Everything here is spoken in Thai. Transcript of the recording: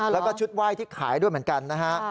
แล้วก็ชุดไหว้ที่ขายด้วยเหมือนกันนะฮะ